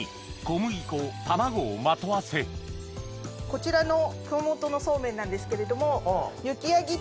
こちらの熊本のそうめんなんですけれども。